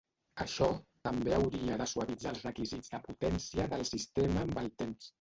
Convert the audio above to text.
Això també hauria de suavitzar els requisits de potència del sistema amb el temps.